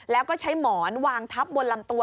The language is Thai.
แล้วก็ใช้หมอนวางทับบนลำตัว